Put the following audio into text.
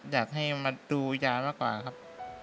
อยากให้มาดูยามากกว่าครับ